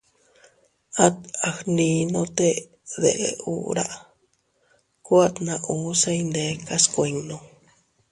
At a gndinote te deʼe hura, ku atna uu se iyndekas kuinnu.